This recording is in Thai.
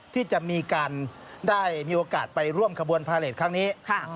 ที่จะมีการได้มีโอกาสไปร่วมขบวนพาเลสครั้งนี้